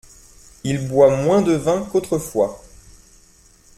Il boit moins de vin qu’autrefois.